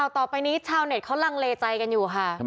ต่อไปนี้ชาวเน็ตเขาลังเลใจกันอยู่ค่ะ